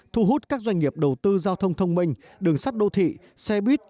thu hút các doanh nghiệp đầu tư giao thông thông minh đường sắt đô thị xe buýt